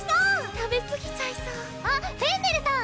食べすぎちゃいそうあっフェンネルさん！